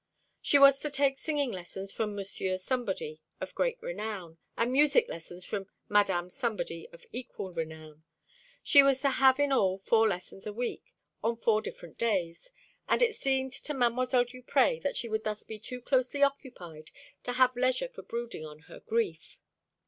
She was to take singing lessons from Monsieur Somebody of great renown, and music lessons from Madame Somebody of equal renown. She was to have in all four lessons a week, on four different days; and it seemed to Mdlle. Duprez that she would thus be too closely occupied to have leisure for brooding on her grief.